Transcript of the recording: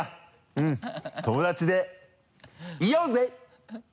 うん友達でいようぜ！